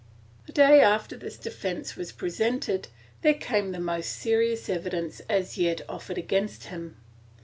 The day after this defence was presented, there came the most serious evidence as yet offered against him.